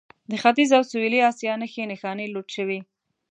د ختیځ او سویلي اسیا نښې نښانې لوټ شوي.